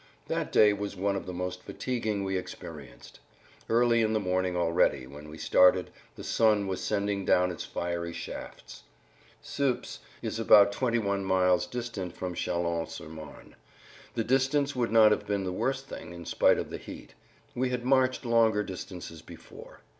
That day was one of the most fatiguing we experienced. Early in the morning already, when we started, the sun was sending down its fiery shafts. Suippes is about 21 miles distant from Châlons sur Marne. The distance would not have been the worst thing, in spite of the heat. We had marched longer distances before.